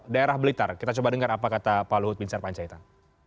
daerah blitar kita coba dengar apa kata pak luhut bin sarpanjaitan